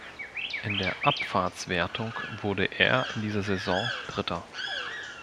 In der Abfahrtswertung wurde er in dieser Saison Dritter.